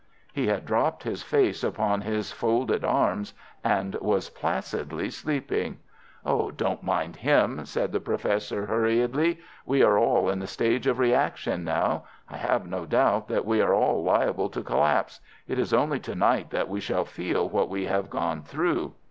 He had dropped his face upon his folded arms and was placidly sleeping. "Don't mind him," said the Professor, hurriedly. "We are all in the stage of reaction now. I have no doubt that we are all liable to collapse. It is only to night that we shall feel what we have gone through."